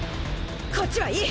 こっちはいい。